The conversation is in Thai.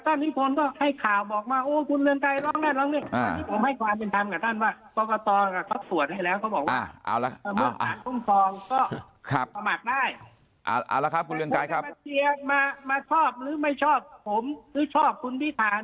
ท่านนิพนธ์ก็ให้ข่าวบอกมาโอ้คุณเรือนกายร้องได้ร้องได้